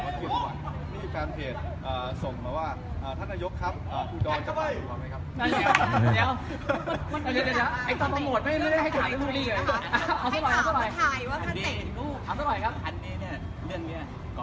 รอโค้ยก็ส่งมาว่าเอ่อธันยกครับเออ